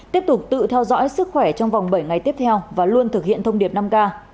tiếp tục tự theo dõi sức khỏe trong vòng bảy ngày tiếp theo và luôn thực hiện thông điệp năm k